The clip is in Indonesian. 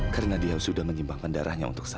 karena dia sudah menyimbangkan darahnya untuk saya